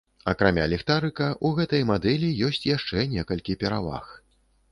Акрамя ліхтарыка, у гэтай мадэлі ёсць яшчэ некалькі пераваг.